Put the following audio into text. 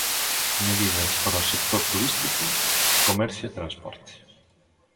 Medidas para o sector turístico, comercio e transporte.